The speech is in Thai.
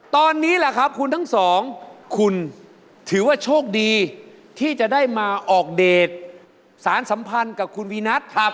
ตอนนี้แหละครับคุณทั้งสองคุณถือว่าโชคดีที่จะได้มาออกเดทสารสัมพันธ์กับคุณวีนัท